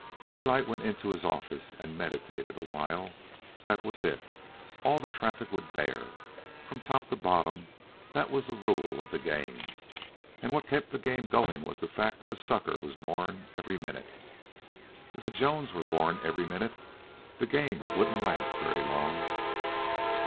Daylight went into his office and meditated awhile. That was it: all the traffic would bear. From top to bottom, that was the rule of the game; and what kept the game going was the fact that a sucker was born every minute. If a Jones were born every minute, the game wouldn't last very long.